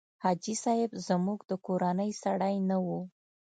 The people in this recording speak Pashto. حاجي صاحب زموږ د کورنۍ سړی نه و.